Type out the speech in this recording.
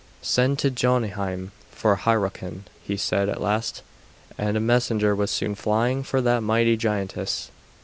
"Send to Jotunheim for Hyrroken," he said at last; and a messenger was soon flying for that mighty giantess.